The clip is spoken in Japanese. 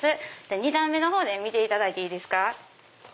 ２段目のほう見ていただいていいですか。